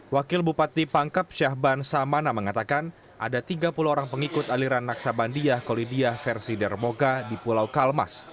wakil bupati pangkep syahban samana mengatakan ada tiga puluh orang pengikut aliran naksabandia kolidiah versi dermoga di pulau kalmas